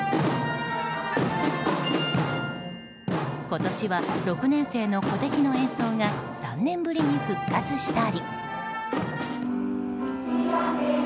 今年は６年生の鼓笛の演奏が３年ぶりに復活したり。